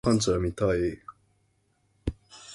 Only two of the Press Box level suites are available for use.